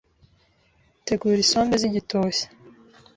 tegura isombe zigitoshye